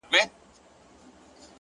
مړ يې کړم اوبه له ياده وباسم،